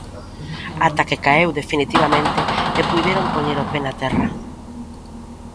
Ata que caeu definitivamente e puideron poñer o pé na terra.